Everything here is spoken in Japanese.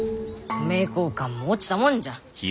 名教館も落ちたもんじゃ。